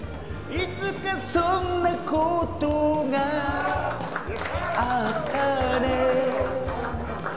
「いつかそんなことがあったね」